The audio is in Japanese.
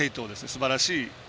すばらしい。